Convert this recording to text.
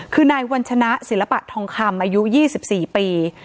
คือนายวัญชนะศิลปะทองคำอายุ๒๔ปี